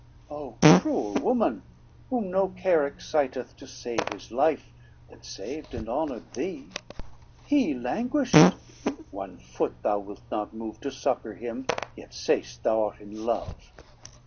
Oh cruel woman, whom no care exciteth To save his life, that saved and honored thee! He languished, one foot thou wilt not move To succor him, yet say'st thou art in love.